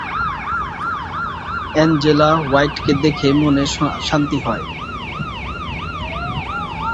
Angela হোয়াইটকে দেখে মনে শান্তি হয়।